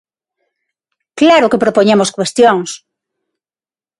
Claro que propoñemos cuestións.